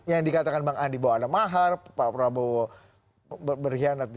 yang dikatakan bang andi bahwa ada mahar pak prabowo berkhianat